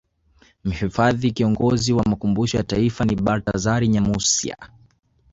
Mhifadhi Kiongozi wa Makumbusho ya Taifa ni Bartazar Nyamusya